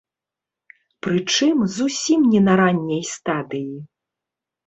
Прычым, зусім не на ранняй стадыі.